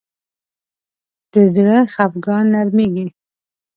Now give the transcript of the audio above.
د زړه خفګان نرمېږي